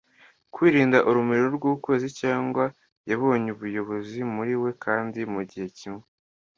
kwirinda urumuri rw'ukwezi cyangwa yabona ubuyobozi muri we, kandi mugihe kimwe